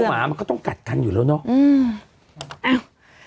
หมามันก็ต้องกัดกันอยู่แล้วเนาะ